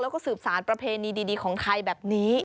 แล้วก็สืบสารประเพณีดีของไทยแบบนี้